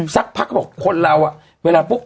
สักพักก็บอกคนเรา